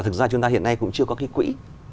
thực ra chúng ta hiện nay cũng chưa có cái quỹ